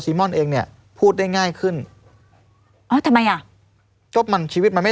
ม่อนเองเนี่ยพูดได้ง่ายขึ้นอ๋อทำไมอ่ะจบมันชีวิตมันไม่